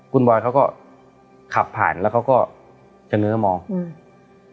คุณบอยเขาก็ขับผ่านแล้วเขาก็จะเนื้อมองอืม